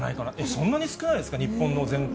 そんなに少ないんですか？